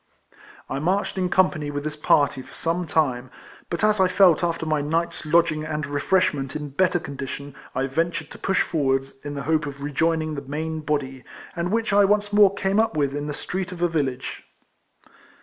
I marched in company with this party for some time, but as I felt after my night's lodging and refreshment in better condition I ventured to push forwards, in the hope of rejoining the main body, and Avhich I once more came up with in the street of a village.